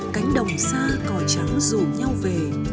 cánh đồng xa cò trắng rủ nhau về